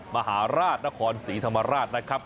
มหาราชนครศรีธรรมราชนะครับ